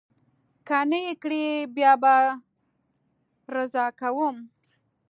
که نه یې کړي، بیا به رضا کوم.